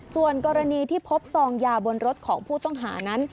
ส่วนกรณีที่พบซองยาบนรถของผู้ต้องหานั้น